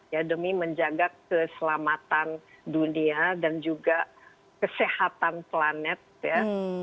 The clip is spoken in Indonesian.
ya demi menjaga keselamatan dunia dan juga kesehatan planet ya